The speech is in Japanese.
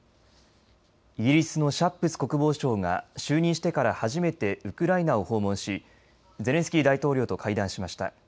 イギリスのシャップス国防相が就任してから初めてウクライナを訪問しゼレンスキー大統領と会談しました。